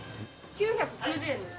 ９９０円です。